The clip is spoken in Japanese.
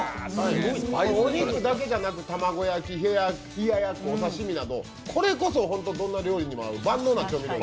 お肉だけじゃなく卵焼き冷ややっこお刺身など、これこそどんな料理にも合う万能調味料。